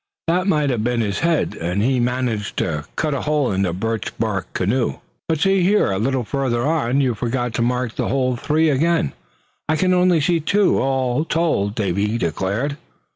That may have been his head, and he managed to cut a hole in the birch bark canoe." "But see here, a little further on you forgot to mark the whole three again; I can only see two, all told," Davy declared.